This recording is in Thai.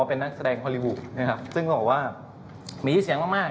เป็นนักแสดงฮอลลีวูดนะครับซึ่งก็บอกว่ามีเสียงมากมาก